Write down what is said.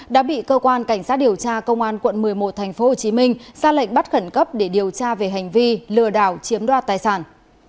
đã bị cơ quan cảnh sát điều tra công an quận một mươi một tp hcm ra lệnh bắt khẩn cấp để điều tra về hành vi lừa đảo chiếm đoạt tài sản